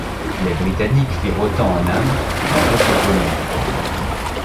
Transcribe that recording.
Les Britanniques firent autant en Inde et dans d’autres colonies.